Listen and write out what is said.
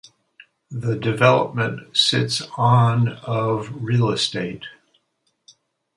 The development sits on of real estate.